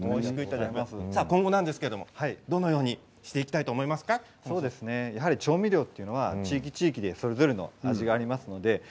今後なんですけどどのようにして調味料は地域地域でそれぞれの味があります。